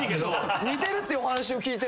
似てるってお話を聞いて。